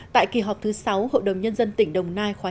tại kỳ họp thứ sáu hội đồng nhân dân tỉnh đồng nai khóa chín